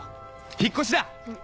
引っ越し？